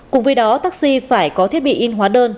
cùng với đó taxi phải có thiết bị in hóa đơn